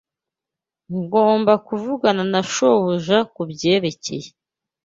Ngomba kuvugana na shobuja kubyerekeye.